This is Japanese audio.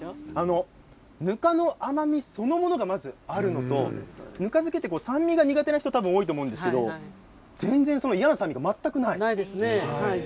ぬかの甘み、そのものがあるのとぬか漬けって酸味が苦手な方多いと思いますが、全然嫌な酸味が全くない。